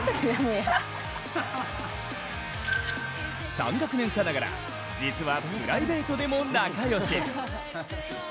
３学年差ながら実はプライベートでも仲良し。